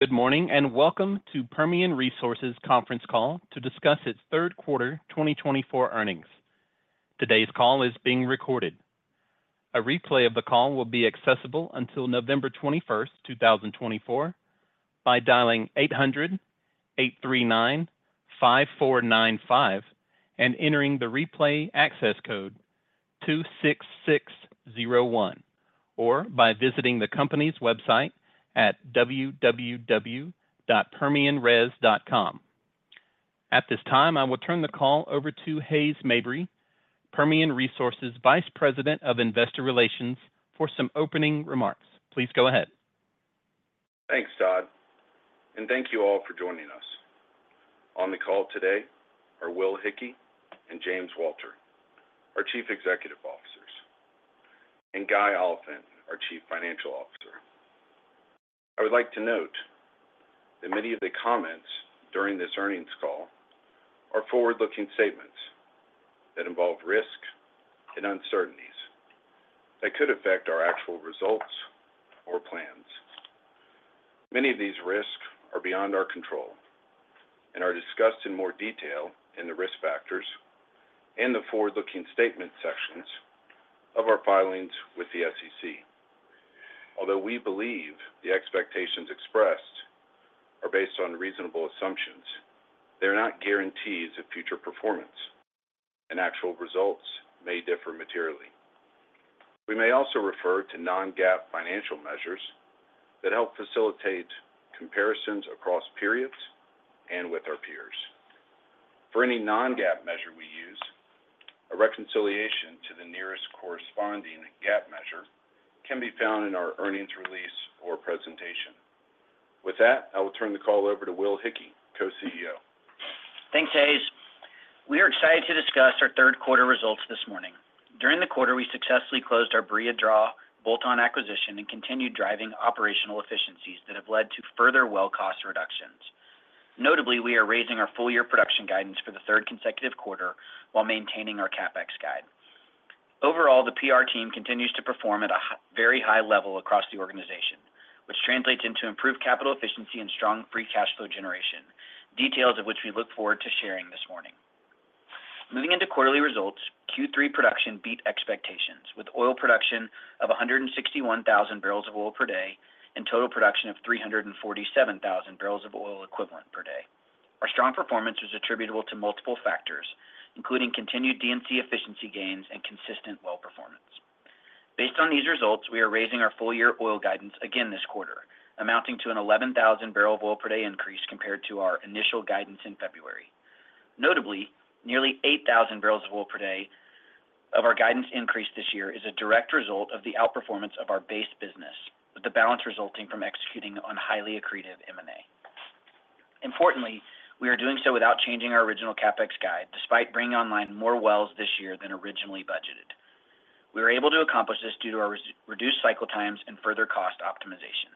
Good morning and welcome to Permian Resources' conference call to discuss its third quarter 2024 earnings. Today's call is being recorded. A replay of the call will be accessible until November 21st, 2024, by dialing 800-839-5495 and entering the replay access code 26601, or by visiting the company's website at www.permianres.com. At this time, I will turn the call over to Hays Mabry, Permian Resources Vice President of Investor Relations, for some opening remarks. Please go ahead. Thanks, Todd. And thank you all for joining us. On the call today are Will Hickey and James Walter, our Chief Executive Officers, and Guy Oliphint, our Chief Financial Officer. I would like to note that many of the comments during this earnings call are forward-looking statements that involve risk and uncertainties that could affect our actual results or plans. Many of these risks are beyond our control and are discussed in more detail in the risk factors and the forward-looking statement sections of our filings with the SEC. Although we believe the expectations expressed are based on reasonable assumptions, they are not guarantees of future performance, and actual results may differ materially. We may also refer to non-GAAP financial measures that help facilitate comparisons across periods and with our peers. For any non-GAAP measure we use, a reconciliation to the nearest corresponding GAAP measure can be found in our earnings release or presentation. With that, I will turn the call over to Will Hickey, Co-CEO. Thanks, Hays. We are excited to discuss our third quarter results this morning. During the quarter, we successfully closed our Barilla Draw bolt-on acquisition, and continued driving operational efficiencies that have led to further well cost reductions. Notably, we are raising our full-year production guidance for the third consecutive quarter while maintaining our CapEx guide. Overall, the PR team continues to perform at a very high level across the organization, which translates into improved capital efficiency and strong free cash flow generation, details of which we look forward to sharing this morning. Moving into quarterly results, Q3 production beat expectations, with oil production of 161,000 bbl of oil per day and total production of 347,000 bbl of oil equivalent per day. Our strong performance was attributable to multiple factors, including continued D&C efficiency gains and consistent well performance. Based on these results, we are raising our full-year oil guidance again this quarter, amounting to an 11,000 bbl of oil per day increase compared to our initial guidance in February. Notably, nearly 8,000 bbl of oil per day of our guidance increase this year is a direct result of the outperformance of our base business, with the balance resulting from executing on highly accretive M&A. Importantly, we are doing so without changing our original CapEx guide, despite bringing online more wells this year than originally budgeted. We were able to accomplish this due to our reduced cycle times and further cost optimization.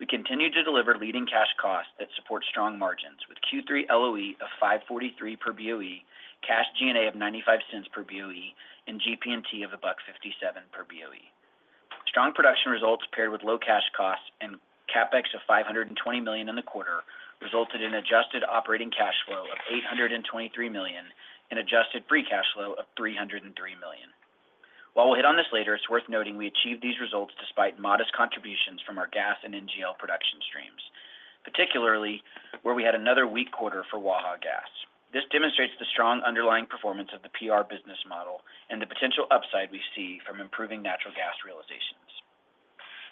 We continue to deliver leading cash costs that support strong margins, with Q3 LOE of $5.43 per BOE, cash G&A of $0.95 per BOE, and GP&T of $1.57 per BOE. Strong production results paired with low cash costs and CapEx of $520 million in the quarter resulted in adjusted operating cash flow of $823 million and adjusted free cash flow of $303 million. While we'll hit on this later, it's worth noting we achieved these results despite modest contributions from our gas and NGL production streams, particularly where we had another weak quarter for Waha gas. This demonstrates the strong underlying performance of the PR business model and the potential upside we see from improving natural gas realizations.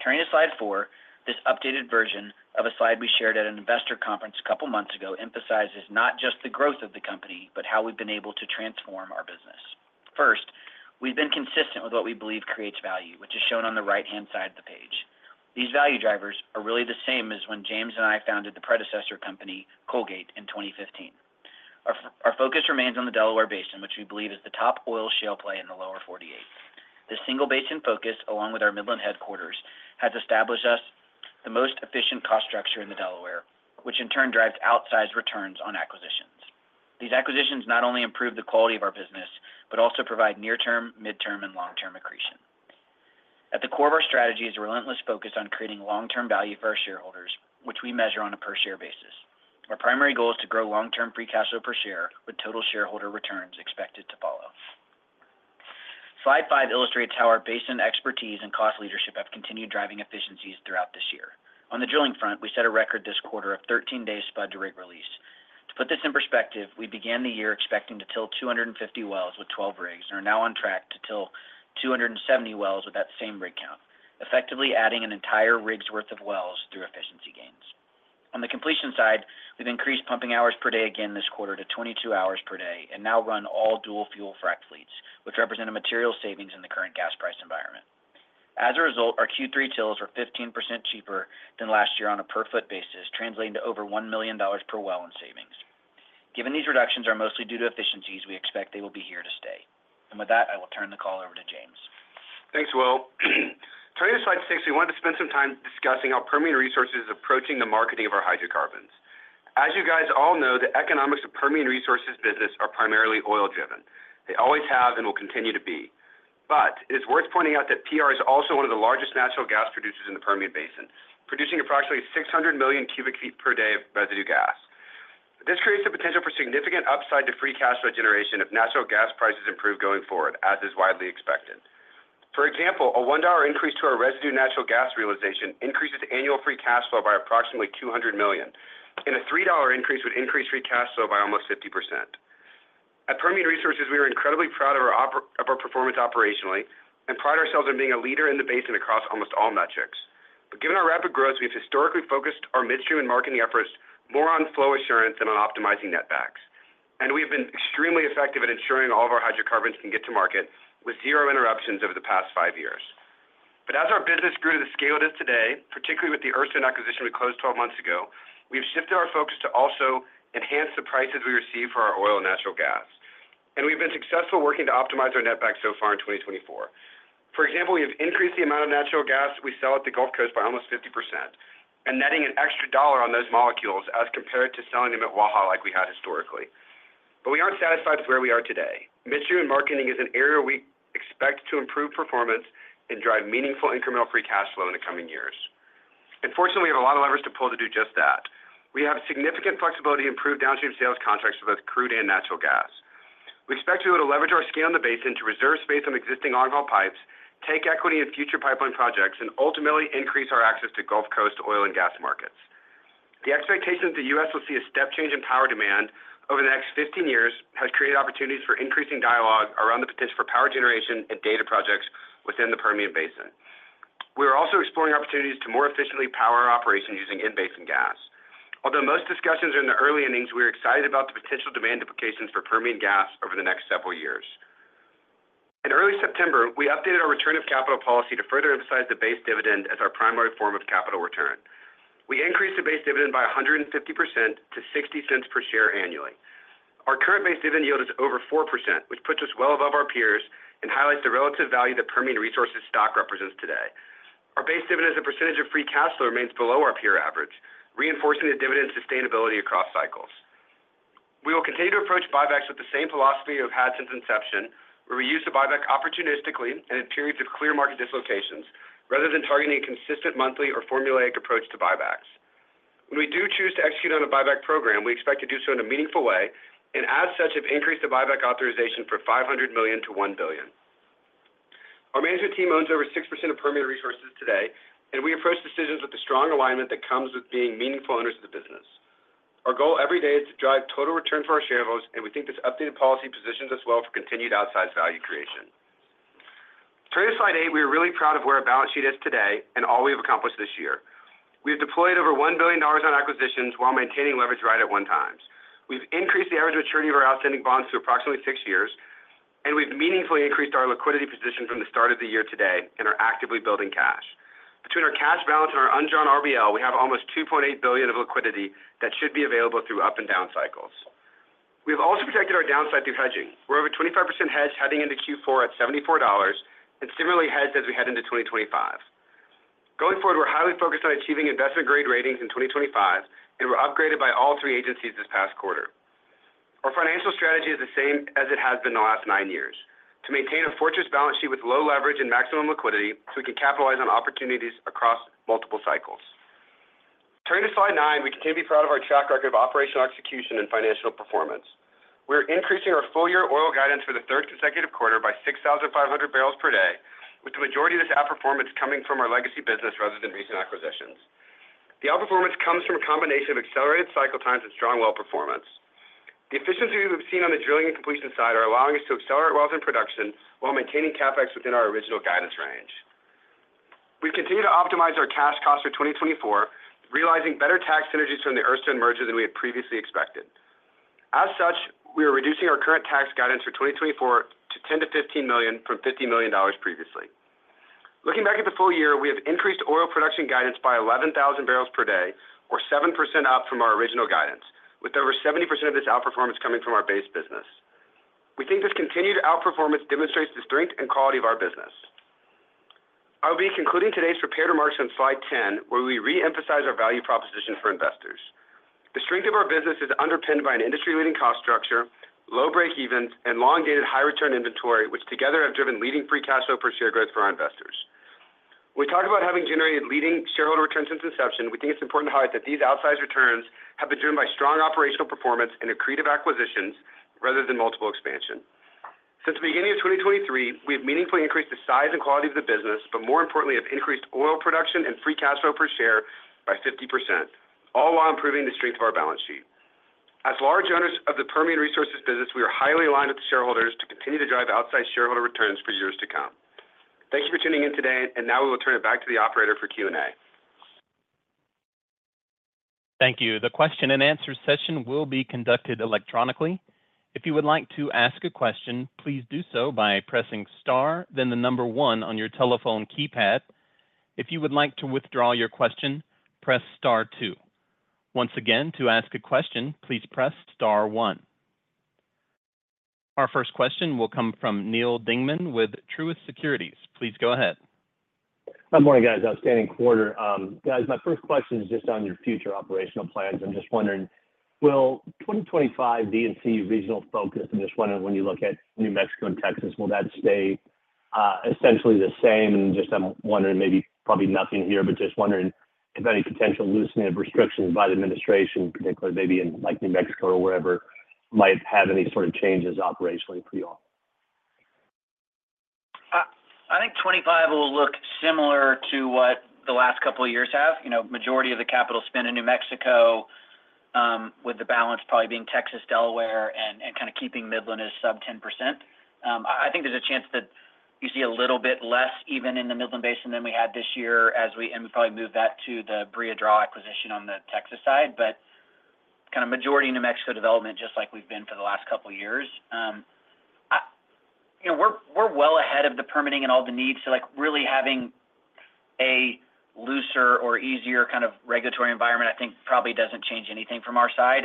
Turning to slide four, this updated version of a slide we shared at an investor conference a couple of months ago emphasizes not just the growth of the company, but how we've been able to transform our business. First, we've been consistent with what we believe creates value, which is shown on the right-hand side of the page. These value drivers are really the same as when James and I founded the predecessor company, Earthstone, in 2015. Our focus remains on the Delaware Basin, which we believe is the top oil shale play in the lower 48. This single basin focus, along with our Midland headquarters, has established us the most efficient cost structure in Delaware, which in turn drives outsized returns on acquisitions. These acquisitions not only improve the quality of our business, but also provide near-term, mid-term, and long-term accretion. At the core of our strategy is a relentless focus on creating long-term value for our shareholders, which we measure on a per-share basis. Our primary goal is to grow long-term free cash flow per share with total shareholder returns expected to follow. Slide five illustrates how our basin expertise and cost leadership have continued driving efficiencies throughout this year. On the drilling front, we set a record this quarter of 13 days spud to rig release. To put this in perspective, we began the year expecting to TIL 250 wells with 12 rigs and are now on track to TIL 270 wells with that same rig count, effectively adding an entire rig's worth of wells through efficiency gains. On the completion side, we've increased pumping hours per day again this quarter to 22 hours per day and now run all dual fuel frac fleets, which represent a material savings in the current gas price environment. As a result, our Q3 TILs were 15% cheaper than last year on a per-foot basis, translating to over $1 million per well in savings. Given these reductions are mostly due to efficiencies, we expect they will be here to stay. And with that, I will turn the call over to James. Thanks, Will. Turning to slide six, we wanted to spend some time discussing how Permian Resources is approaching the marketing of our hydrocarbons. As you guys all know, the economics of Permian Resources' business are primarily oil-driven. They always have and will continue to be. But it is worth pointing out that PR is also one of the largest natural gas producers in the Permian Basin, producing approximately 600 million cubic feet per day of residue gas. This creates the potential for significant upside to free cash flow generation if natural gas prices improve going forward, as is widely expected. For example, a $1 increase to our residue natural gas realization increases annual free cash flow by approximately $200 million, and a $3 increase would increase free cash flow by almost 50%. At Permian Resources, we are incredibly proud of our performance operationally and pride ourselves on being a leader in the basin across almost all metrics. But given our rapid growth, we've historically focused our midstream and marketing efforts more on flow assurance than on optimizing netback. And we have been extremely effective at ensuring all of our hydrocarbons can get to market with zero interruptions over the past five years. But as our business grew to the scale it is today, particularly with the Earthstone acquisition we closed 12 months ago, we have shifted our focus to also enhance the prices we receive for our oil and natural gas. And we've been successful working to optimize our netback so far in 2024. For example, we have increased the amount of natural gas we sell at the Gulf Coast by almost 50% and netting an extra $1 on those molecules as compared to selling them at Waha like we had historically. But we aren't satisfied with where we are today. Midstream and marketing is an area where we expect to improve performance and drive meaningful incremental free cash flow in the coming years. Unfortunately, we have a lot of levers to pull to do just that. We have significant flexibility to improve downstream sales contracts for both crude and natural gas. We expect to be able to leverage our stake in the basin to reserve space on existing long-haul pipes, take equity in future pipeline projects, and ultimately increase our access to Gulf Coast oil and gas markets. The expectation that the U.S. will see a step change in power demand over the next 15 years has created opportunities for increasing dialogue around the potential for power generation and data projects within the Permian Basin. We are also exploring opportunities to more efficiently power our operations using in-basin gas. Although most discussions are in the early innings, we are excited about the potential demand implications for Permian gas over the next several years. In early September, we updated our return of capital policy to further emphasize the base dividend as our primary form of capital return. We increased the base dividend by 150% to $0.60 per share annually. Our current base dividend yield is over 4%, which puts us well above our peers and highlights the relative value that Permian Resources' stock represents today. Our base dividend as a percentage of free cash flow remains below our peer average, reinforcing the dividend sustainability across cycles. We will continue to approach buybacks with the same philosophy we have had since inception, where we use the buyback opportunistically and in periods of clear market dislocations, rather than targeting a consistent monthly or formulaic approach to buybacks. When we do choose to execute on a buyback program, we expect to do so in a meaningful way, and as such, have increased the buyback authorization from $500 million to $1 billion. Our management team owns over 6% of Permian Resources today, and we approach decisions with the strong alignment that comes with being meaningful owners of the business. Our goal every day is to drive total return for our shareholders, and we think this updated policy positions us well for continued outsized value creation. Turning to slide eight, we are really proud of where our balance sheet is today and all we have accomplished this year. We have deployed over $1 billion on acquisitions while maintaining leverage right at one time. We've increased the average maturity of our outstanding bonds to approximately six years, and we've meaningfully increased our liquidity position from the start of the year today and are actively building cash. Between our cash balance and our undrawn RBL, we have almost $2.8 billion of liquidity that should be available through up and down cycles. We have also protected our downside through hedging. We're over 25% hedged heading into Q4 at $74 and similarly hedged as we head into 2025. Going forward, we're highly focused on achieving investment-grade ratings in 2025, and we're upgraded by all three agencies this past quarter. Our financial strategy is the same as it has been the last nine years: to maintain a fortress balance sheet with low leverage and maximum liquidity so we can capitalize on opportunities across multiple cycles. Turning to slide nine, we continue to be proud of our track record of operational execution and financial performance. We are increasing our full-year oil guidance for the third consecutive quarter by 6,500 bbl per day, with the majority of this outperformance coming from our legacy business rather than recent acquisitions. The outperformance comes from a combination of accelerated cycle times and strong well performance. The efficiencies we've seen on the drilling and completion side are allowing us to accelerate wells in production while maintaining CapEx within our original guidance range. We continue to optimize our cash costs for 2024, realizing better tax synergies from the Earthstone merger than we had previously expected. As such, we are reducing our current tax guidance for 2024 to $10 million-$15 million from $50 million previously. Looking back at the full year, we have increased oil production guidance by 11,000 bbl per day, or 7% up from our original guidance, with over 70% of this outperformance coming from our base business. We think this continued outperformance demonstrates the strength and quality of our business. I will be concluding today's prepared remarks on slide 10, where we re-emphasize our value proposition for investors. The strength of our business is underpinned by an industry-leading cost structure, low breakevens, and long-dated high-return inventory, which together have driven leading free cash flow per share growth for our investors. When we talk about having generated leading shareholder returns since inception, we think it's important to highlight that these outsized returns have been driven by strong operational performance and accretive acquisitions rather than multiple expansion. Since the beginning of 2023, we have meaningfully increased the size and quality of the business, but more importantly, have increased oil production and free cash flow per share by 50%, all while improving the strength of our balance sheet. As large owners of the Permian Resources business, we are highly aligned with the shareholders to continue to drive outsized shareholder returns for years to come. Thank you for tuning in today, and now we will turn it back to the operator for Q&A. Thank you. The question-and-answer session will be conducted electronically. If you would like to ask a question, please do so by pressing star, then the number one on your telephone keypad. If you would like to withdraw your question, press star two. Once again, to ask a question, please press star one. Our first question will come from Neal Dingman with Truist Securities. Please go ahead. Good morning, guys. Outstanding quarter. Guys, my first question is just on your future operational plans. I'm just wondering, will 2025 D&C regional focus, I'm just wondering when you look at New Mexico and Texas, will that stay essentially the same? And just I'm wondering, maybe probably nothing here, but just wondering if any potential loosening of restrictions by the administration, particularly maybe in like New Mexico or wherever, might have any sort of changes operationally for you all? I think 25 will look similar to what the last couple of years have. Majority of the capital spent in New Mexico, with the balance probably being Texas, Delaware, and kind of keeping Midland as sub 10%. I think there's a chance that you see a little bit less even in the Midland Basin than we had this year, and we probably move that to the Barilla Draw acquisition on the Texas side, but kind of majority New Mexico development, just like we've been for the last couple of years. We're well ahead of the permitting and all the needs, so really having a looser or easier kind of regulatory environment, I think, probably doesn't change anything from our side.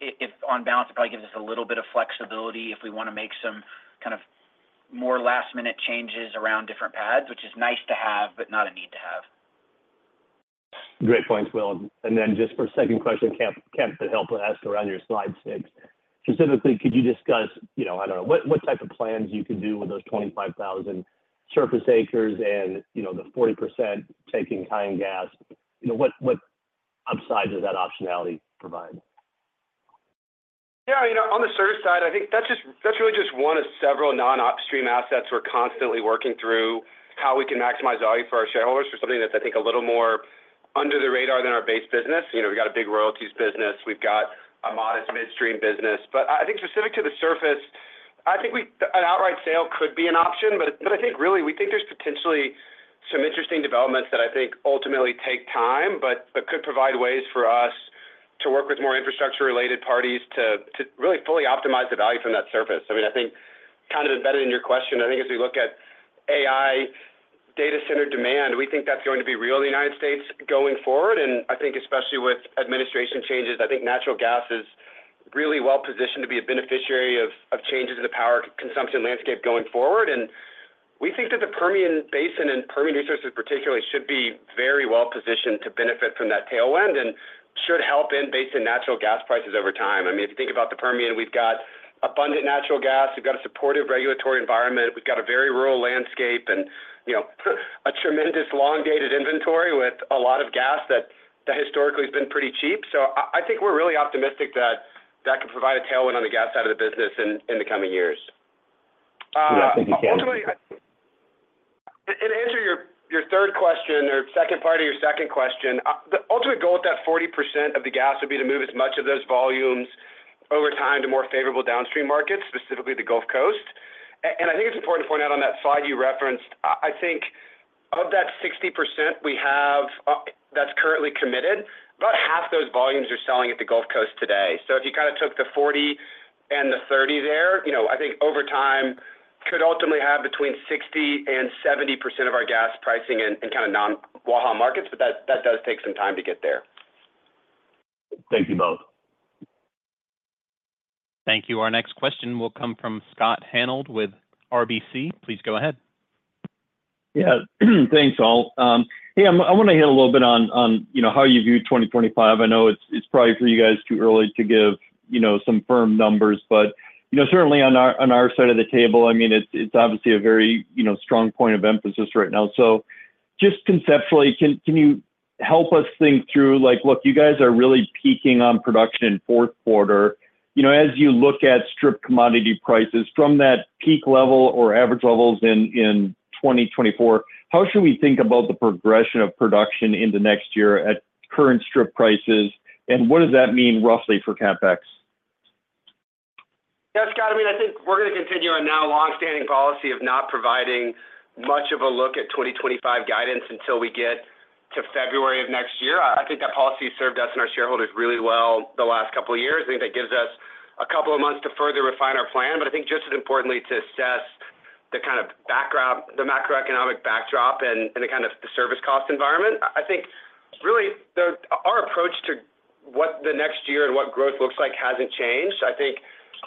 If on balance, it probably gives us a little bit of flexibility if we want to make some kind of more last-minute changes around different pads, which is nice to have, but not a need to have. Great points, Will, and then just for a second question, can you help us walk through your slide six. Specifically, could you discuss, I don't know, what type of plans you could do with those 25,000 surface acres and the 40% working interest gas? What upside does that optionality provide? Yeah, on the surface side, I think that's really just one of several non-upstream assets we're constantly working through how we can maximize value for our shareholders for something that's, I think, a little more under the radar than our base business. We've got a big royalties business. We've got a modest midstream business. But I think specific to the surface, I think an outright sale could be an option, but I think really we think there's potentially some interesting developments that I think ultimately take time, but could provide ways for us to work with more infrastructure-related parties to really fully optimize the value from that surface. I mean, I think kind of embedded in your question, I think as we look at AI data center demand, we think that's going to be real in the United States going forward. I think especially with administration changes, I think natural gas is really well positioned to be a beneficiary of changes in the power consumption landscape going forward. We think that the Permian Basin and Permian Resources particularly should be very well positioned to benefit from that tailwind and should help in-basin natural gas prices over time. I mean, if you think about the Permian, we've got abundant natural gas. We've got a supportive regulatory environment. We've got a very rural landscape and a tremendous long-dated inventory with a lot of gas that historically has been pretty cheap. I think we're really optimistic that that could provide a tailwind on the gas side of the business in the coming years. To answer your third question or second part of your second question, the ultimate goal with that 40% of the gas would be to move as much of those volumes over time to more favorable downstream markets, specifically the Gulf Coast. I think it's important to point out on that slide you referenced. I think of that 60% we have that's currently committed, about half those volumes are selling at the Gulf Coast today. So if you kind of took the 40 and the 30 there, I think over time could ultimately have between 60% and 70% of our gas pricing in kind of non-Waha markets, but that does take some time to get there. Thank you both. Thank you. Our next question will come from Scott Hanold with RBC. Please go ahead. Yeah, thanks, all. Yeah, I want to hit a little bit on how you view 2025. I know it's probably for you guys too early to give some firm numbers, but certainly on our side of the table, I mean, it's obviously a very strong point of emphasis right now. So just conceptually, can you help us think through, like, look, you guys are really peaking on production in fourth quarter. As you look at strip commodity prices from that peak level or average levels in 2024, how should we think about the progression of production in the next year at current strip prices? And what does that mean roughly for CapEx? Yeah, Scott, I mean, I think we're going to continue on now long-standing policy of not providing much of a look at 2025 guidance until we get to February of next year. I think that policy served us and our shareholders really well the last couple of years. I think that gives us a couple of months to further refine our plan, but I think just as importantly to assess the kind of macroeconomic backdrop and the kind of service cost environment. I think really our approach to what the next year and what growth looks like hasn't changed. I think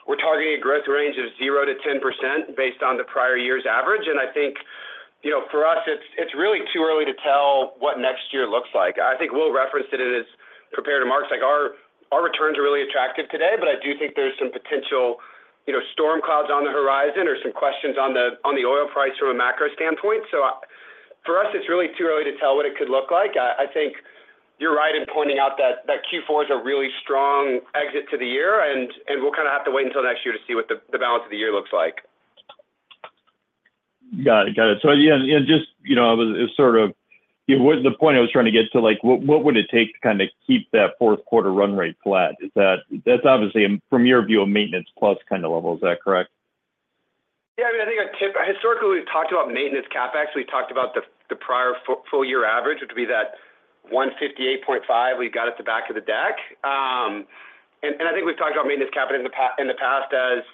we're targeting a growth range of 0%-10% based on the prior year's average. And I think for us, it's really too early to tell what next year looks like. I think Will referenced it as prepared remarks. Our returns are really attractive today, but I do think there's some potential storm clouds on the horizon or some questions on the oil price from a macro standpoint. So for us, it's really too early to tell what it could look like. I think you're right in pointing out that Q4 is a really strong exit to the year, and we'll kind of have to wait until next year to see what the balance of the year looks like. Got it. Got it. So again, just sort of what's the point I was trying to get to? What would it take to kind of keep that fourth quarter run rate flat? That's obviously from your view of maintenance plus kind of level. Is that correct? Yeah, I mean, I think historically we've talked about maintenance CapEx. We talked about the prior full-year average, which would be that 158.5 we've got at the back of the deck, and I think we've talked about maintenance CapEx in the past as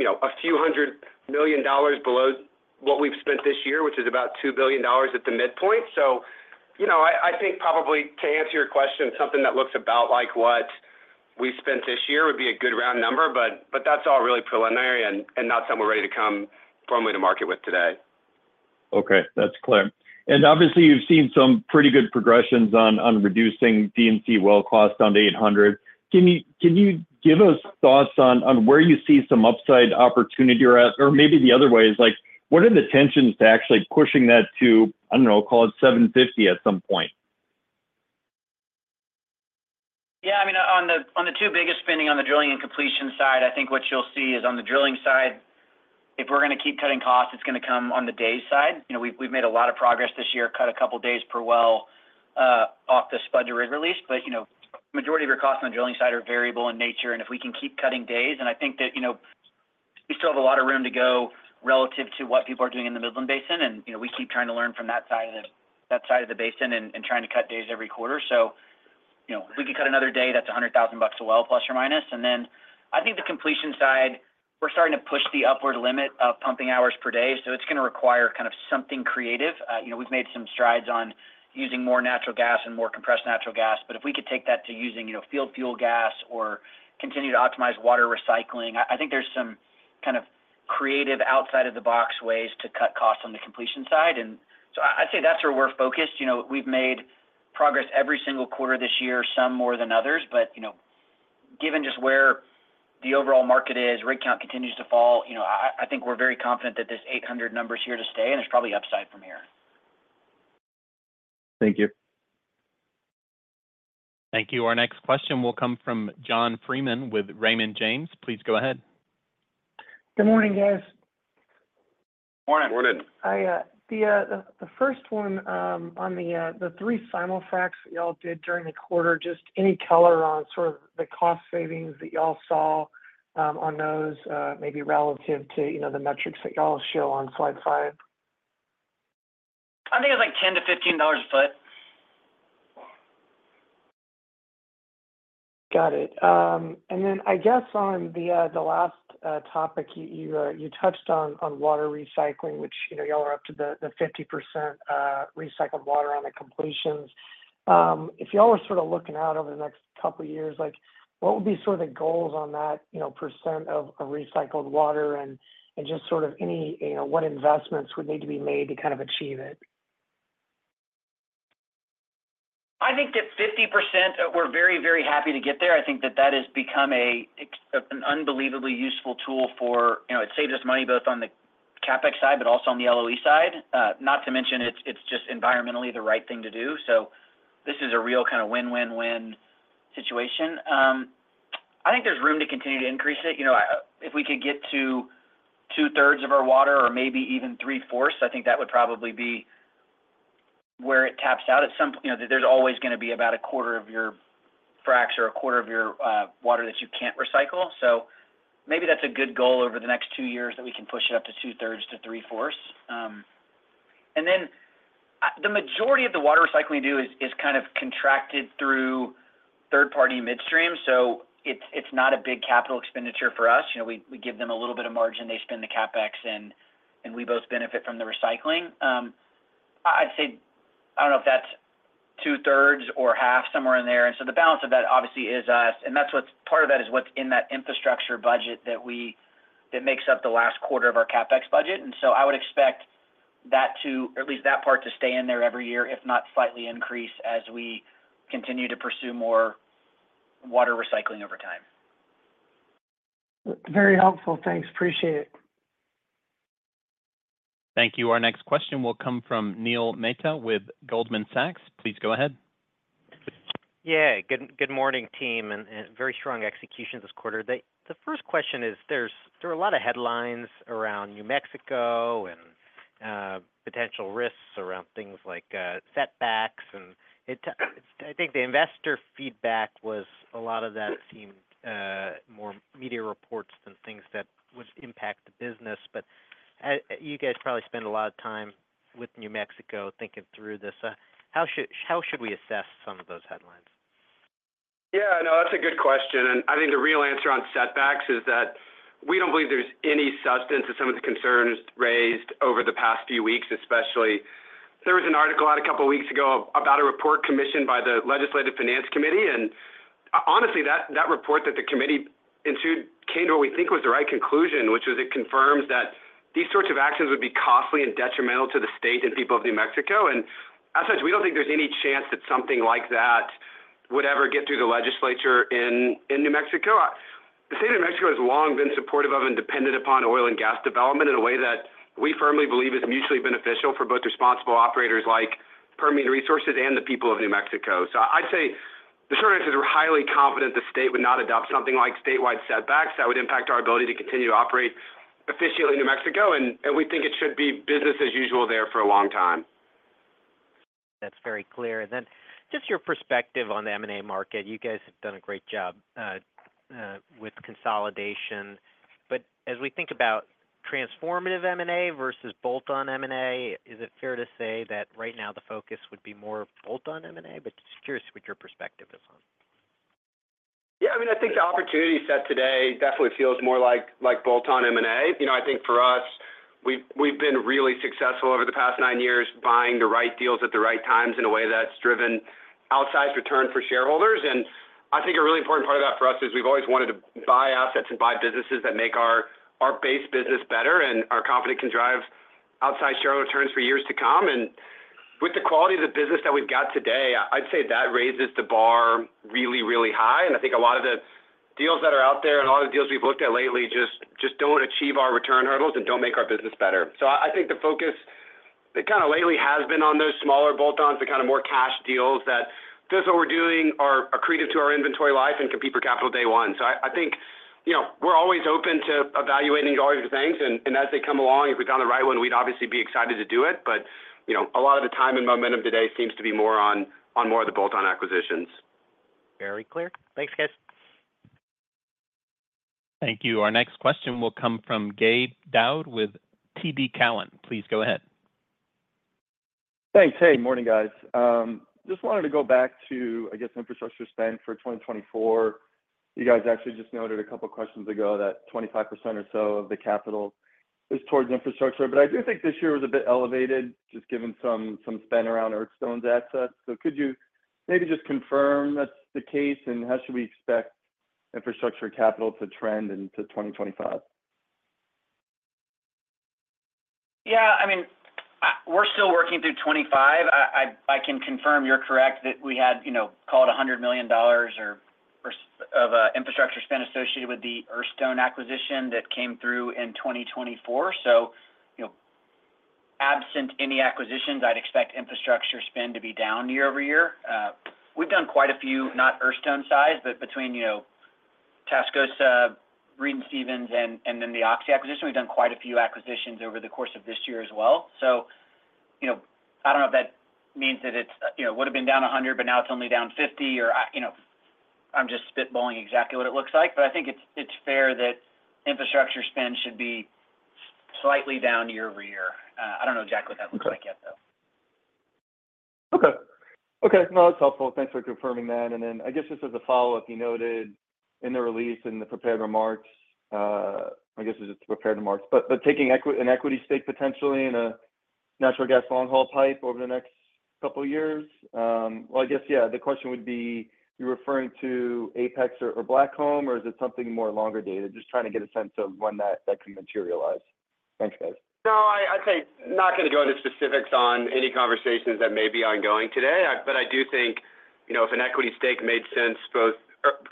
a few hundred million dollars below what we've spent this year, which is about $2 billion at the midpoint, so I think probably to answer your question, something that looks about like what we spent this year would be a good round number, but that's all really preliminary and not something we're ready to come formally to market with today. Okay, that's clear. And obviously, you've seen some pretty good progressions on reducing D&C well costs down to 800. Can you give us thoughts on where you see some upside opportunity or maybe the other way is what are the tensions to actually pushing that to, I don't know, call it 750 at some point? Yeah, I mean, on the two biggest spending on the drilling and completion side, I think what you'll see is on the drilling side, if we're going to keep cutting costs, it's going to come on the day side. We've made a lot of progress this year, cut a couple of days per well off the spud to rig release, but the majority of your costs on the drilling side are variable in nature, and if we can keep cutting days, and I think that we still have a lot of room to go relative to what people are doing in the Midland Basin, and we keep trying to learn from that side of the basin and trying to cut days every quarter. So if we could cut another day, that's $100,000 a well, plus or minus. And then I think the completion side, we're starting to push the upward limit of pumping hours per day. So it's going to require kind of something creative. We've made some strides on using more natural gas and more compressed natural gas, but if we could take that to using field fuel gas or continue to optimize water recycling, I think there's some kind of creative outside-of-the-box ways to cut costs on the completion side. And so I'd say that's where we're focused. We've made progress every single quarter this year, some more than others, but given just where the overall market is, rig count continues to fall. I think we're very confident that this 800 number is here to stay, and there's probably upside from here. Thank you. Thank you. Our next question will come from John Freeman with Raymond James. Please go ahead. Good morning, guys. Morning. Morning. Hi. The first one on the three simul-fracs y'all did during the quarter, just any color on sort of the cost savings that y'all saw on those maybe relative to the metrics that y'all show on slide five? I think it was like $10-$15 a foot. Got it. And then I guess on the last topic, you touched on water recycling, which y'all are up to the 50% recycled water on the completions. If y'all were sort of looking out over the next couple of years, what would be sort of the goals on that percent of recycled water and just sort of what investments would need to be made to kind of achieve it? I think that 50%, we're very, very happy to get there. I think that that has become an unbelievably useful tool for it saves us money both on the CapEx side, but also on the LOE side. Not to mention, it's just environmentally the right thing to do. So this is a real kind of win-win-win situation. I think there's room to continue to increase it. If we could get to two-thirds of our water or maybe even three-fourths, I think that would probably be where it taps out at some point. There's always going to be about a quarter of your fracs or a quarter of your water that you can't recycle. So maybe that's a good goal over the next two years that we can push it up to two-thirds to three-fourths. And then the majority of the water recycling we do is kind of contracted through third-party midstream. So it's not a big capital expenditure for us. We give them a little bit of margin. They spend the CapEx, and we both benefit from the recycling. I'd say, I don't know if that's two-thirds or half, somewhere in there. And so the balance of that obviously is us. And that's what's part of that is what's in that infrastructure budget that makes up the last quarter of our CapEx budget. And so I would expect that to, at least that part, to stay in there every year, if not slightly increase as we continue to pursue more water recycling over time. Very helpful. Thanks. Appreciate it. Thank you. Our next question will come from Neil Mehta with Goldman Sachs. Please go ahead. Yeah. Good morning, team, and very strong execution this quarter. The first question is there are a lot of headlines around New Mexico and potential risks around things like setbacks. And I think the investor feedback was a lot of that seemed more media reports than things that would impact the business. But you guys probably spend a lot of time with New Mexico thinking through this. How should we assess some of those headlines? Yeah, no, that's a good question. And I think the real answer on setbacks is that we don't believe there's any substance to some of the concerns raised over the past few weeks, especially there was an article out a couple of weeks ago about a report commissioned by the Legislative Finance Committee. And honestly, that report that the committee issued came to what we think was the right conclusion, which was it confirms that these sorts of actions would be costly and detrimental to the state and people of New Mexico. And as such, we don't think there's any chance that something like that would ever get through the legislature in New Mexico. The state of New Mexico has long been supportive of and dependent upon oil and gas development in a way that we firmly believe is mutually beneficial for both responsible operators like Permian Resources and the people of New Mexico. So I'd say the short answer is we're highly confident the state would not adopt something like statewide setbacks that would impact our ability to continue to operate efficiently in New Mexico. And we think it should be business as usual there for a long time. That's very clear. And then just your perspective on the M&A market, you guys have done a great job with consolidation. But as we think about transformative M&A versus bolt-on M&A, is it fair to say that right now the focus would be more bolt-on M&A? But just curious what your perspective is on. Yeah, I mean, I think the opportunity set today definitely feels more like bolt-on M&A. I think for us, we've been really successful over the past nine years buying the right deals at the right times in a way that's driven outsized return for shareholders. And I think a really important part of that for us is we've always wanted to buy assets and buy businesses that make our base business better and are confident can drive outsized shareholder returns for years to come. And with the quality of the business that we've got today, I'd say that raises the bar really, really high. And I think a lot of the deals that are out there and a lot of the deals we've looked at lately just don't achieve our return hurdles and don't make our business better. So, I think the focus kind of lately has been on those smaller bolt-ons, the kind of more cash deals that this is what we're doing are accretive to our inventory life and compete for capital day one. So, I think we're always open to evaluating all these things. And as they come along, if we found the right one, we'd obviously be excited to do it. But a lot of the time and momentum today seems to be more on more of the bolt-on acquisitions. Very clear. Thanks, guys. Thank you. Our next question will come from Gabe Daoud with TD Cowen. Please go ahead. Thanks. Hey, morning, guys. Just wanted to go back to, I guess, infrastructure spend for 2024. You guys actually just noted a couple of questions ago that 25% or so of the capital is towards infrastructure. But I do think this year was a bit elevated, just given some spend around Earthstone's assets. So could you maybe just confirm that's the case? And how should we expect infrastructure capital to trend into 2025? Yeah, I mean, we're still working through 2025. I can confirm you're correct that we had called $100 million of infrastructure spend associated with the Earthstone acquisition that came through in 2024. So absent any acquisitions, I'd expect infrastructure spend to be down year over year. We've done quite a few, not Earthstone size, but between Tascosa, Read & Stevens, and then the Oxy acquisition. We've done quite a few acquisitions over the course of this year as well. So I don't know if that means that it would have been down 100, but now it's only down 50. Or I'm just spitballing exactly what it looks like. But I think it's fair that infrastructure spend should be slightly down year-over-year. I don't know exactly what that looks like yet, though. Okay. Okay. No, that's helpful. Thanks for confirming that. And then I guess just as a follow-up, you noted in the release and the prepared remarks. I guess it's just prepared remarks, but taking an equity stake potentially in a natural gas long-haul pipe over the next couple of years. Well, I guess, yeah, the question would be, you're referring to Apex or Blackcomb, or is it something more longer dated? Just trying to get a sense of when that can materialize. Thanks, guys. No, I'd say not going to go into specifics on any conversations that may be ongoing today. But I do think if an equity stake made sense, both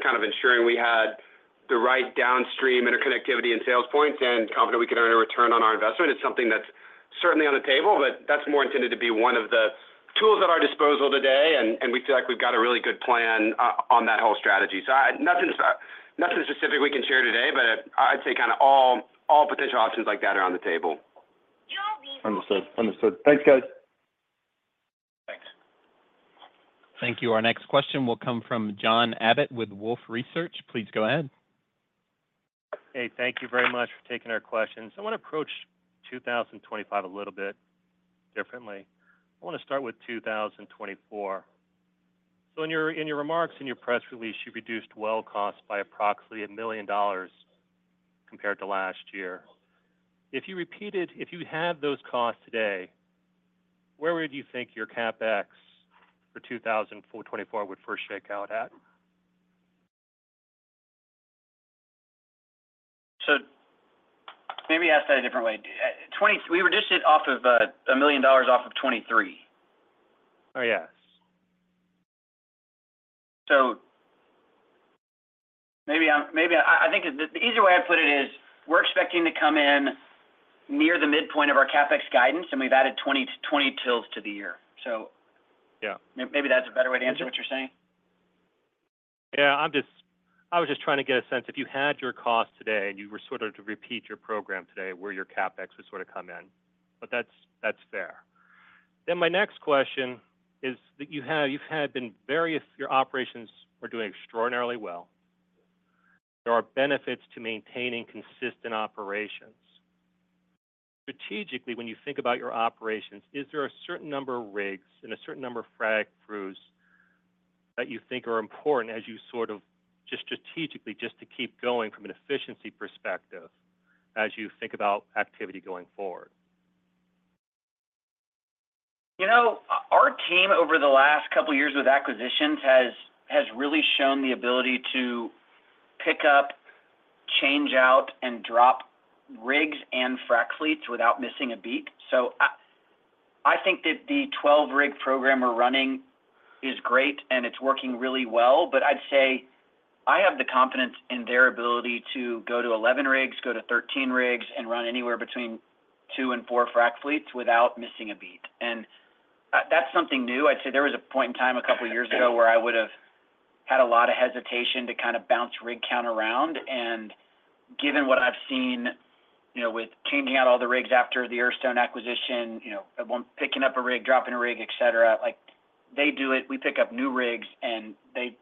kind of ensuring we had the right downstream interconnectivity and sales points and confident we could earn a return on our investment, it's something that's certainly on the table. But that's more intended to be one of the tools at our disposal today. And we feel like we've got a really good plan on that whole strategy. So nothing specific we can share today, but I'd say kind of all potential options like that are on the table. Understood. Understood. Thanks, guys. Thanks. Thank you. Our next question will come from John Abbott with Wolfe Research. Please go ahead. Hey, thank you very much for taking our questions. I want to approach 2025 a little bit differently. I want to start with 2024. So in your remarks in your press release, you reduced well costs by approximately $1 million compared to last year. If you had those costs today, where would you think your CapEx for 2024 would first shake out at? So maybe ask that a different way. We reduced it off of $1 million off of 2023. Oh, yes. So maybe I think the easier way I'd put it is we're expecting to come in near the midpoint of our CapEx guidance, and we've added 20 tills to the year. So maybe that's a better way to answer what you're saying. Yeah. I was just trying to get a sense if you had your costs today and you were sort of to repeat your program today, where your CapEx would sort of come in. But that's fair. Then my next question is that you have been very. Your operations are doing extraordinarily well. There are benefits to maintaining consistent operations. Strategically, when you think about your operations, is there a certain number of rigs and a certain number of frac crews that you think are important as you sort of just strategically, just to keep going from an efficiency perspective as you think about activity going forward? Our team over the last couple of years with acquisitions has really shown the ability to pick up, change out, and drop rigs and frac fleets without missing a beat. So I think that the 12-rig program we're running is great, and it's working really well. But I'd say I have the confidence in their ability to go to 11 rigs, go to 13 rigs, and run anywhere between two and four frac fleets without missing a beat. And that's something new. I'd say there was a point in time a couple of years ago where I would have had a lot of hesitation to kind of bounce rig count around. And given what I've seen with changing out all the rigs after the Earthstone acquisition, picking up a rig, dropping a rig, etc., they do it. We pick up new rigs, and they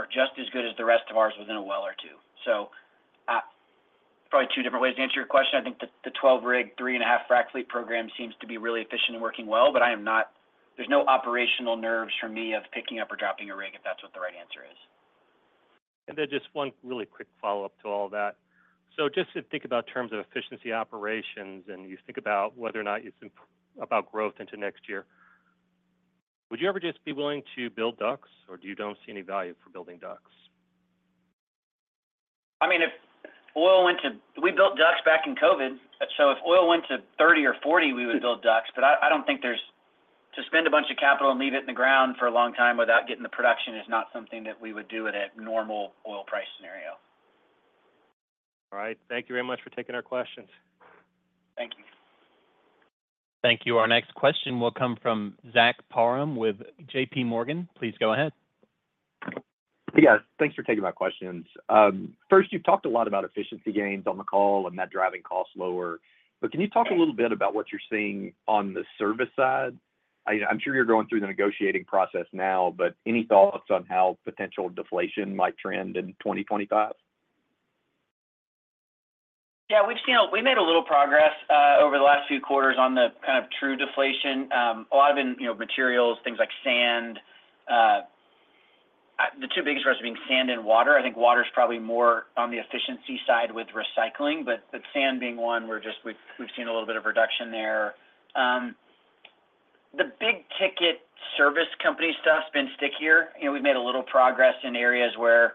are just as good as the rest of ours within a well or two. So probably two different ways to answer your question. I think the 12-rig, three-and-a-half frac fleet program seems to be really efficient and working well. But I'm not averse. There's no operational nerves for me of picking up or dropping a rig, if that's what the right answer is. And then just one really quick follow-up to all of that. So just to think about in terms of efficiency operations and you think about whether or not it's about growth into next year, would you ever just be willing to build DUCs, or don't you see any value for building DUCs? I mean, if oil went to we built DUCs back in COVID. So if oil went to $30-$40, we would build DUCs. But I don't think there's to spend a bunch of capital and leave it in the ground for a long time without getting the production is not something that we would do in a normal oil price scenario. All right. Thank you very much for taking our questions. Thank you. Thank you. Our next question will come from Zach Parham with JPMorgan. Please go ahead. Yeah. Thanks for taking my questions. First, you've talked a lot about efficiency gains on the call and that driving costs lower. But can you talk a little bit about what you're seeing on the service side? I'm sure you're going through the negotiating process now, but any thoughts on how potential deflation might trend in 2025? Yeah. We've made a little progress over the last few quarters on the kind of true deflation. A lot of it in materials, things like sand. The two biggest ones being sand and water. I think water is probably more on the efficiency side with recycling. But sand being one, we've seen a little bit of reduction there. The big-ticket service company stuff has been stickier. We've made a little progress in areas where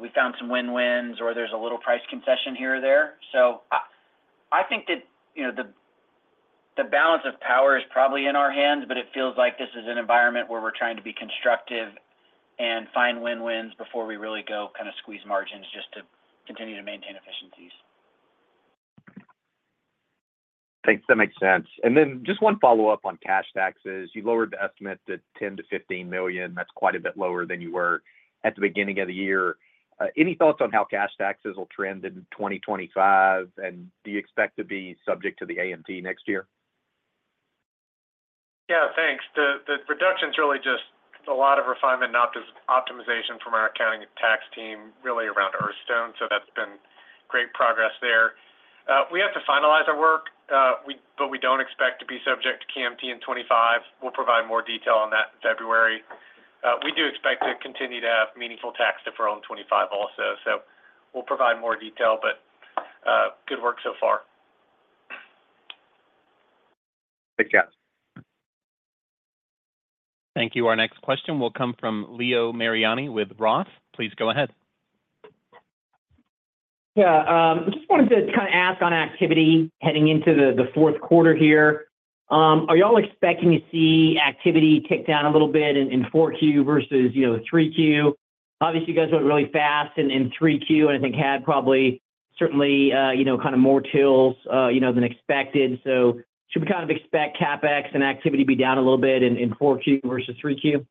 we found some win-wins or there's a little price concession here or there. So I think that the balance of power is probably in our hands, but it feels like this is an environment where we're trying to be constructive and find win-wins before we really go kind of squeeze margins just to continue to maintain efficiencies. Thanks. That makes sense. And then just one follow-up on cash taxes. You lowered the estimate to $10 million-$15 million. That's quite a bit lower than you were at the beginning of the year. Any thoughts on how cash taxes will trend in 2025? And do you expect to be subject to the AMT next year? Yeah. Thanks. The reduction is really just a lot of refinement and optimization from our accounting and tax team really around Earthstone. So that's been great progress there. We have to finalize our work, but we don't expect to be subject to AMT in 2025. We'll provide more detail on that in February. We do expect to continue to have meaningful tax deferral in 2025 also. So we'll provide more detail, but good work so far. Thanks, guys. Thank you. Our next question will come from Leo Mariani with Roth. Please go ahead. Yeah. I just wanted to kind of ask on activity heading into the fourth quarter here. Are y'all expecting to see activity tick down a little bit in 4Q versus 3Q? Obviously, you guys went really fast in 3Q and I think had probably certainly kind of more tills than expected. So should we kind of expect CapEx and activity to be down a little bit in 4Q versus 3Q?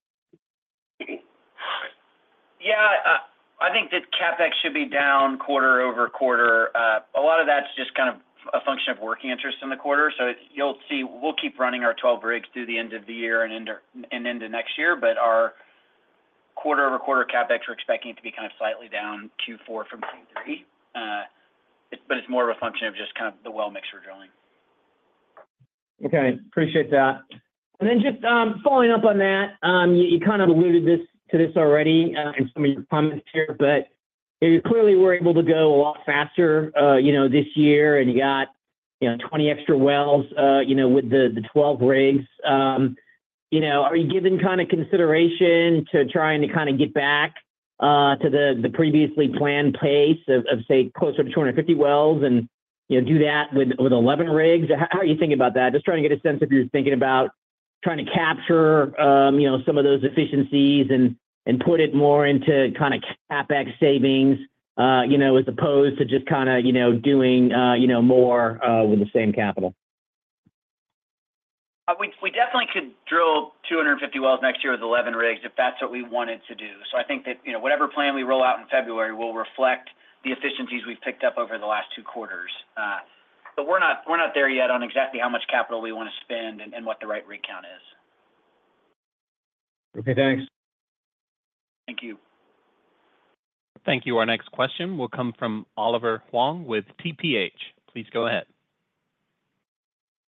Yeah. I think that CapEx should be down quarter-over-quarter. A lot of that's just kind of a function of working interest in the quarter. So you'll see we'll keep running our 12 rigs through the end of the year and into next year. But our quarter-over-quarter CapEx, we're expecting it to be kind of slightly down Q4 from Q3. But it's more of a function of just kind of the well mix we're drilling. Okay. Appreciate that. And then just following up on that, you kind of alluded to this already in some of your comments here, but clearly we're able to go a lot faster this year, and you got 20 extra wells with the 12 rigs. Are you giving kind of consideration to trying to kind of get back to the previously planned pace of, say, closer to 250 wells and do that with 11 rigs? How are you thinking about that? Just trying to get a sense if you're thinking about trying to capture some of those efficiencies and put it more into kind of CapEx savings as opposed to just kind of doing more with the same capital. We definitely could drill 250 wells next year with 11 rigs if that's what we wanted to do. So I think that whatever plan we roll out in February will reflect the efficiencies we've picked up over the last two quarters. But we're not there yet on exactly how much capital we want to spend and what the right rig count is. Okay. Thanks. Thank you. Thank you. Our next question will come from Oliver Huang with TPH. Please go ahead.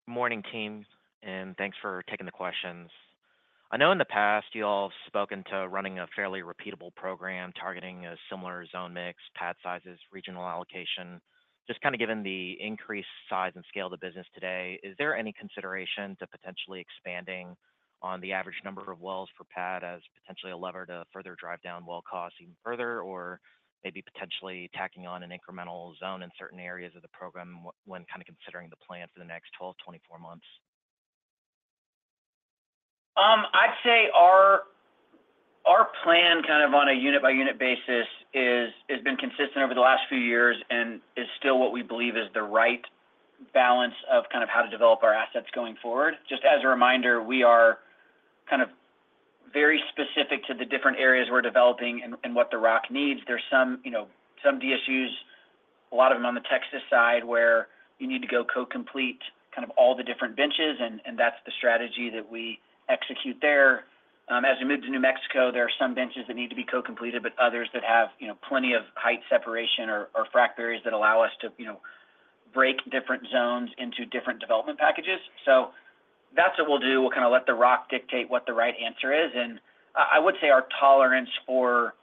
Good morning, team, and thanks for taking the questions. I know in the past you all have spoken to running a fairly repeatable program targeting a similar zone mix, pad sizes, regional allocation. Just kind of given the increased size and scale of the business today, is there any consideration to potentially expanding on the average number of wells per pad as potentially a lever to further drive down well costs even further, or maybe potentially tacking on an incremental zone in certain areas of the program when kind of considering the plan for the next 12 to 24 months? I'd say our plan kind of on a unit-by-unit basis has been consistent over the last few years and is still what we believe is the right balance of kind of how to develop our assets going forward. Just as a reminder, we are kind of very specific to the different areas we're developing and what the rock needs. There's some DSUs, a lot of them on the Texas side, where you need to go co-complete kind of all the different benches, and that's the strategy that we execute there. As we move to New Mexico, there are some benches that need to be co-completed, but others that have plenty of height separation or frac barriers that allow us to break different zones into different development packages. So that's what we'll do. We'll kind of let the rock dictate what the right answer is. I would say our tolerance for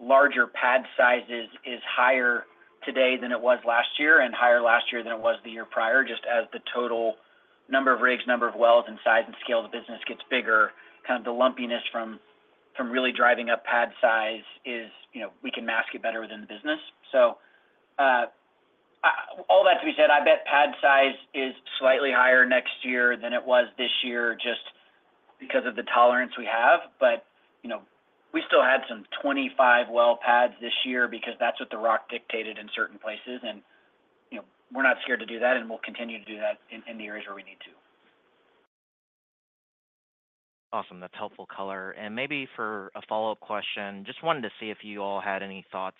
larger pad sizes is higher today than it was last year and higher last year than it was the year prior, just as the total number of rigs, number of wells, and size and scale of the business gets bigger. Kind of the lumpiness from really driving up pad size is we can mask it better within the business. So all that to be said, I bet pad size is slightly higher next year than it was this year just because of the tolerance we have. But we still had some 25-well pads this year because that's what the rock dictated in certain places. And we're not scared to do that, and we'll continue to do that in the areas where we need to. Awesome. That's helpful color. And maybe for a follow-up question, just wanted to see if you all had any thoughts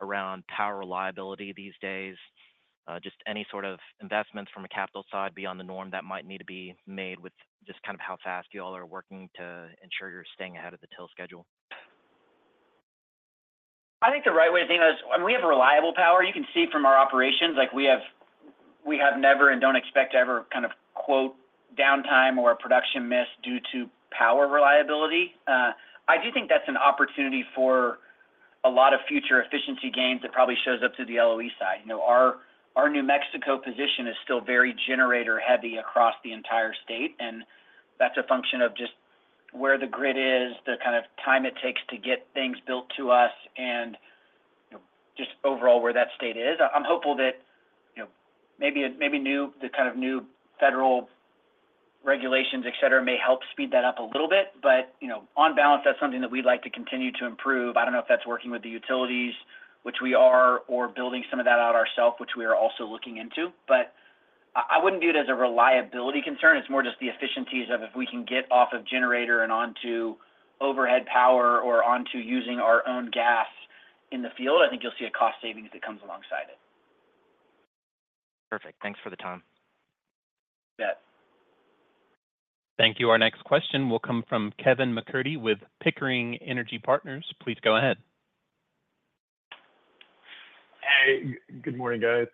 around power reliability these days. Just any sort of investments from a capital side beyond the norm that might need to be made with just kind of how fast you all are working to ensure you're staying ahead of the till schedule? I think the right way to think of it is we have reliable power. You can see from our operations we have never and don't expect to ever kind of quote downtime or a production miss due to power reliability. I do think that's an opportunity for a lot of future efficiency gains that probably shows up through the LOE side. Our New Mexico position is still very generator-heavy across the entire state, and that's a function of just where the grid is, the kind of time it takes to get things built to us, and just overall where that state is. I'm hopeful that maybe the kind of new federal regulations, etc., may help speed that up a little bit. But on balance, that's something that we'd like to continue to improve. I don't know if that's working with the utilities, which we are, or building some of that out ourselves, which we are also looking into. But I wouldn't view it as a reliability concern. It's more just the efficiencies of if we can get off of generator and onto overhead power or onto using our own gas in the field. I think you'll see a cost savings that comes alongside it. Perfect. Thanks for the time. Yep. Thank you. Our next question will come from Kevin McCurdy with Pickering Energy Partners. Please go ahead. Hey. Good morning, guys.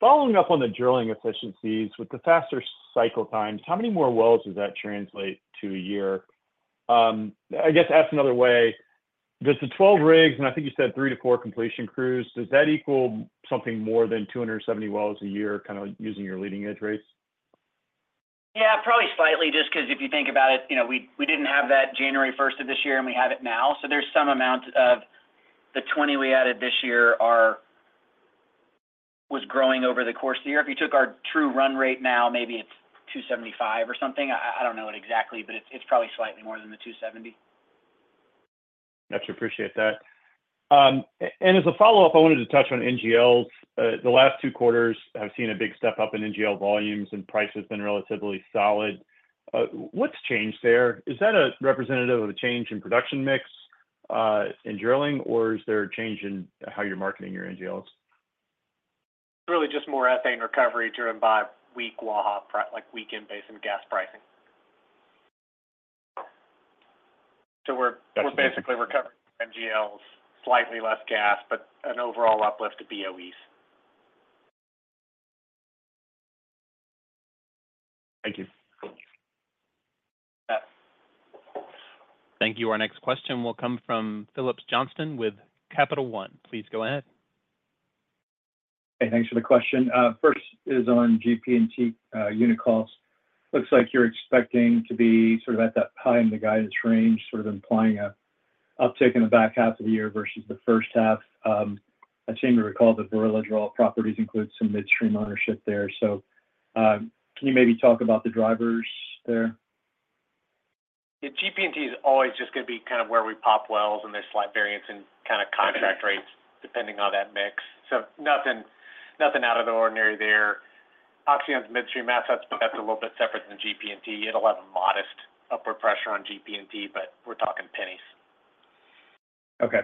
Following up on the drilling efficiencies with the faster cycle times, how many more wells does that translate to a year? I guess, asked another way. Does the 12 rigs and I think you said three to four completion crews, does that equal something more than 270 wells a year kind of using your leading edge rates? Yeah. Probably slightly just because if you think about it, we didn't have that January 1st of this year, and we have it now. So there's some amount of the 20 we added this year was growing over the course of the year. If you took our true run rate now, maybe it's 275 or something. I don't know it exactly, but it's probably slightly more than the 270. Gotcha. Appreciate that and as a follow-up, I wanted to touch on NGLs. The last two quarters, I've seen a big step up in NGL volumes, and price has been relatively solid. What's changed there? Is that a representative of a change in production mix in drilling, or is there a change in how you're marketing your NGLs? Really just more ethane recovery driven by weak Waha, like weak in basis and gas pricing. So we're basically recovering NGLs, slightly less gas, but an overall uplift to BOEs. Thank you. Thank you. Thank you. Our next question will come from Phillips Johnston with Capital One. Please go ahead. Hey. Thanks for the question. First is on GP&T unit costs. Looks like you're expecting to be sort of at that high in the guidance range, sort of implying an uptick in the back half of the year versus the first half. I seem to recall that Barilla Draw Properties includes some midstream ownership there. So can you maybe talk about the drivers there? Yeah. GP&T is always just going to be kind of where we pop wells, and there's slight variance in kind of contract rates depending on that mix. So nothing out of the ordinary there. Oxy's midstream assets, but that's a little bit separate than GP&T. It'll have a modest upward pressure on GP&T, but we're talking pennies. Okay.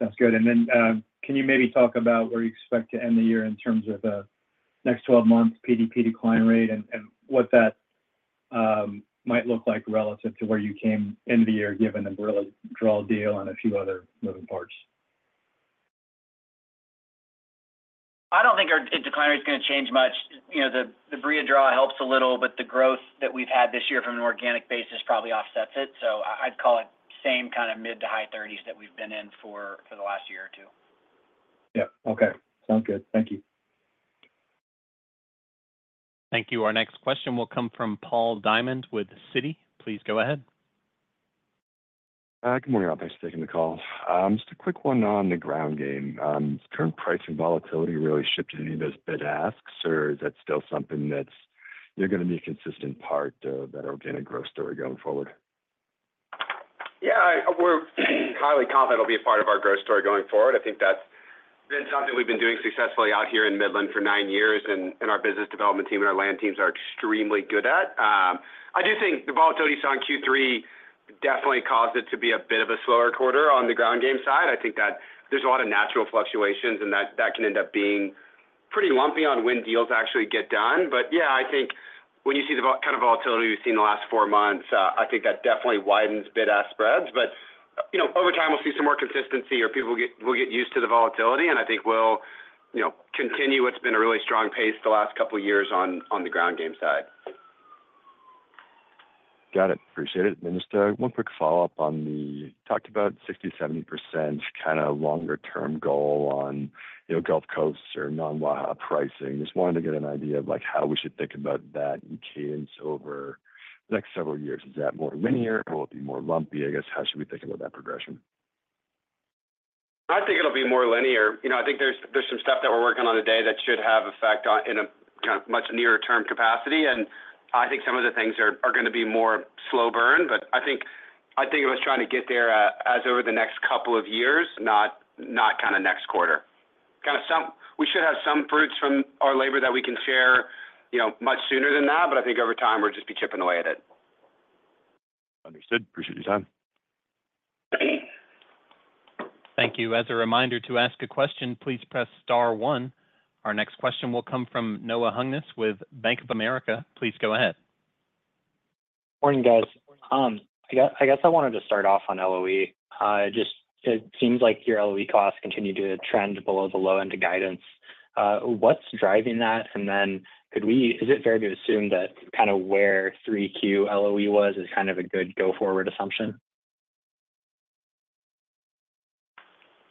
Sounds good. And then can you maybe talk about where you expect to end the year in terms of the next 12 months' PDP decline rate and what that might look like relative to where you came end of the year given the Barilla Draw deal and a few other moving parts? I don't think our decline rate's going to change much. The Barilla Draw helps a little, but the growth that we've had this year from an organic base probably offsets it. So I'd call it same kind of mid to high 30s that we've been in for the last year or two. Yeah. Okay. Sounds good. Thank you. Thank you. Our next question will come from Paul Diamond with Citi. Please go ahead. Good morning, all, thanks for taking the call. Just a quick one on the ground game. Has current price and volatility really shifted any of those bid-asks, or is that still something that's going to be a consistent part of that organic growth story going forward? Yeah. We're highly confident it'll be a part of our growth story going forward. I think that's been something we've been doing successfully out here in Midland for nine years, and our business development team and our land teams are extremely good at. I do think the volatility we saw in Q3 definitely caused it to be a bit of a slower quarter on the ground game side. I think that there's a lot of natural fluctuations, and that can end up being pretty lumpy on when deals actually get done. But yeah, I think when you see the kind of volatility we've seen the last four months, I think that definitely widens bid-ask spreads. But over time, we'll see some more consistency or people will get used to the volatility, and I think we'll continue what's been a really strong pace the last couple of years on the ground game side. Got it. Appreciate it. And just one quick follow-up on the talked about 60%-70% kind of longer-term goal on Gulf Coast or non-Waha pricing. Just wanted to get an idea of how we should think about that in cadence over the next several years. Is that more linear, or will it be more lumpy? I guess how should we think about that progression? I think it'll be more linear. I think there's some stuff that we're working on today that should have effect in a kind of much nearer-term capacity. And I think some of the things are going to be more slow burn. But I think of us trying to get there as over the next couple of years, not kind of next quarter. We should have some fruits from our labor that we can share much sooner than that, but I think over time, we'll just be chipping away at it. Understood. Appreciate your time. Thank you. As a reminder to ask a question, please press star one. Our next question will come from Noah Hungness with Bank of America. Please go ahead. Morning, guys. I guess I wanted to start off on LOE. It seems like your LOE costs continue to trend below the low end of guidance. What's driving that? And then is it fair to assume that kind of where 3Q LOE was is kind of a good go-forward assumption?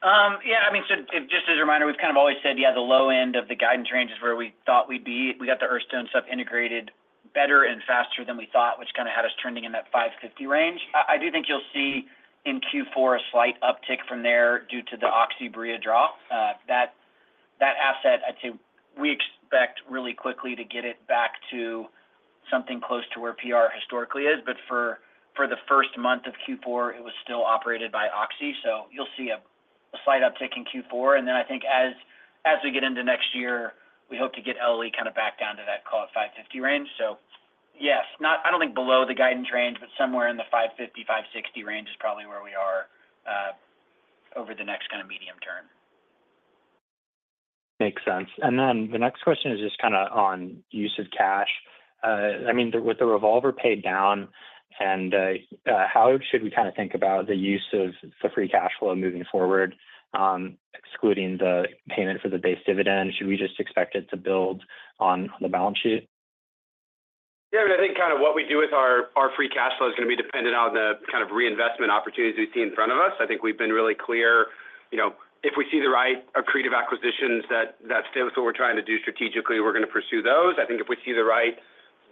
Yeah. I mean, just as a reminder, we've kind of always said, yeah, the low end of the guidance range is where we thought we'd be. We got the Earthstone stuff integrated better and faster than we thought, which kind of had us trending in that 550 range. I do think you'll see in Q4 a slight uptick from there due to the Oxy Barilla Draw. That asset, I'd say we expect really quickly to get it back to something close to where PR historically is. But for the first month of Q4, it was still operated by Oxy. So you'll see a slight uptick in Q4, and then I think as we get into next year, we hope to get LOE kind of back down to that call it 550 range. So yes, I don't think below the guidance range, but somewhere in the 550-560 range is probably where we are over the next kind of medium term. Makes sense. And then the next question is just kind of on use of cash. I mean, with the revolver paid down, how should we kind of think about the use of the free cash flow moving forward, excluding the payment for the base dividend? Should we just expect it to build on the balance sheet? Yeah. I think kind of what we do with our free cash flow is going to be dependent on the kind of reinvestment opportunities we see in front of us. I think we've been really clear. If we see the right accretive acquisitions that fit with what we're trying to do strategically, we're going to pursue those. I think if we see the right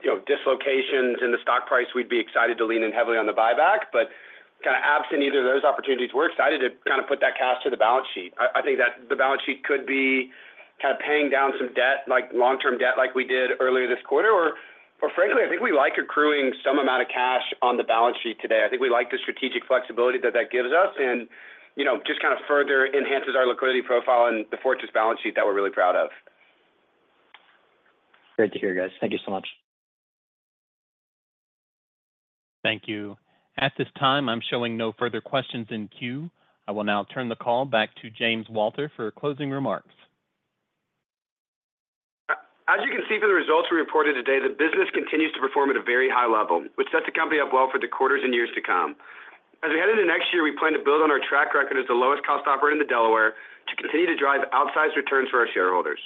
dislocations in the stock price, we'd be excited to lean in heavily on the buyback. But kind of absent either of those opportunities, we're excited to kind of put that cash to the balance sheet. I think that the balance sheet could be kind of paying down some debt, like long-term debt, like we did earlier this quarter. Or frankly, I think we like accruing some amount of cash on the balance sheet today. I think we like the strategic flexibility that that gives us and just kind of further enhances our liquidity profile and the fortress balance sheet that we're really proud of. Good to hear, guys. Thank you so much. Thank you. At this time, I'm showing no further questions in queue. I will now turn the call back to James Walter for closing remarks. As you can see from the results we reported today, the business continues to perform at a very high level, which sets the company up well for the quarters and years to come. As we head into next year, we plan to build on our track record as the lowest-cost operator in Delaware to continue to drive outsized returns for our shareholders.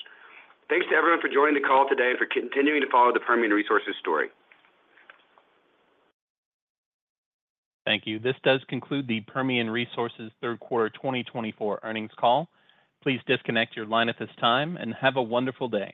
Thanks to everyone for joining the call today and for continuing to follow the Permian Resources story. Thank you. This does conclude the Permian Resources third quarter 2024 earnings call. Please disconnect your line at this time and have a wonderful day.